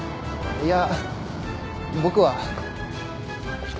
いや僕は。